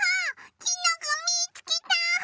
きのこみつけた！